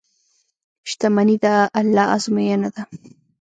• شتمني د الله ازموینه ده.